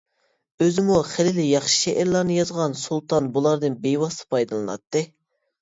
ئۆزىمۇ خېلىلا ياخشى شېئىرلارنى يازغان سۇلتان بۇلاردىن بىۋاسىتە پايدىلىناتتى.